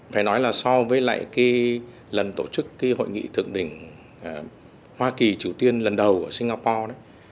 phải nói là so với lại lần tổ chức hội nghị thượng đỉnh hoa kỳ triều tiên lần đầu ở singapore